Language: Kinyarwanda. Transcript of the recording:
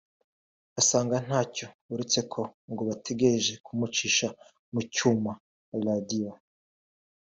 basanga ntacyo uretse ko ngo bategereje kumucisha mu cyuma (Radio)